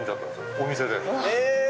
お店で。